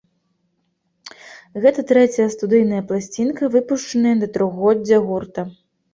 Гэта трэцяя студыйная пласцінка, выпушчаная да трохгоддзя гурта.